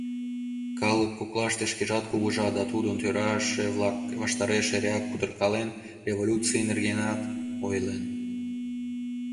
Калык коклаште шкежат кугыжа да тудын тӧраже-влак ваштареш эреак кутыркален, революций нергенат ойлен.